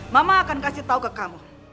mama akan kasih tahu ke kamu